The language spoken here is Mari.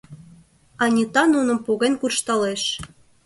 Анита нуным поген куржталеш.